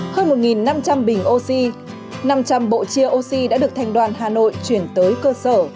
hơn một năm trăm linh bình oxy năm trăm linh bộ chia oxy đã được thành đoàn hà nội chuyển tới cơ sở